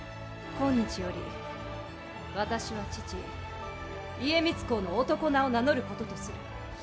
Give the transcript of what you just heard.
今日より、私は、父家光公の男名を名乗ることとする。